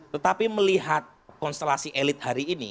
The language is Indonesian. tetapi melihat konstelasi elit hari ini